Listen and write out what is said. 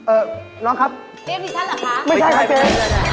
เอ่อน้องครับไม่ใช่ค่ะเจ๊